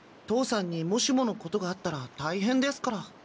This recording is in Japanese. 父さんにもしものことがあったらたいへんですから。